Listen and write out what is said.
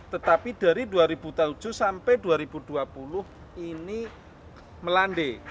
tetapi dari dua ribu tujuh sampai dua ribu dua puluh ini melandai